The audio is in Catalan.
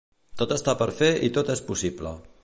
Tot està per fer i tot és possible.